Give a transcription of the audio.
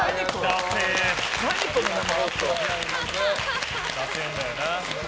だせえんだよな。